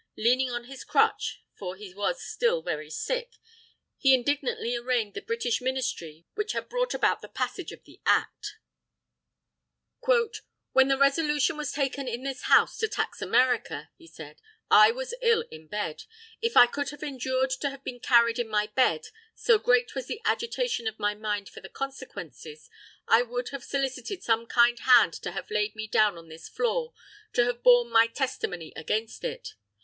Leaning on his crutch, for he was still very sick, he indignantly arraigned the British Ministry which had brought about the passage of the Act. "When the resolution was taken in this House to tax America," he said, "I was ill in bed. If I could have endured to have been carried in my bed, so great was the agitation of my mind for the consequences, I would have solicited some kind hand to have laid me down on this floor, to have borne my testimony against it!